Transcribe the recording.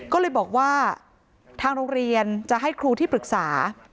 ก็เลยบอกว่าทางโรงเรียนจะให้ครูที่ปรึกษา